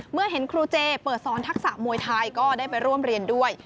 เมื่อเห็นครูเจเปิดสอนทักษะมวยไทยก็ได้ไปร่วมเรียนด้วย